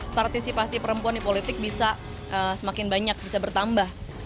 karena partisipasi perempuan di politik bisa semakin banyak bisa bertambah